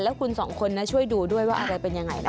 แล้วคุณสองคนช่วยดูด้วยว่าอะไรเป็นยังไงนะ